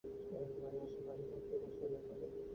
এরা ঘরের আসে পাশে থাকতেই পছন্দ করে।